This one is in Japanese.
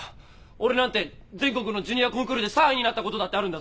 俺なんて全国のジュニアコンクールで３位になったことだってあるんだぞ！